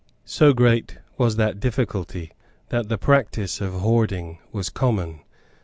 So great was that difficulty that the practice of hoarding was common.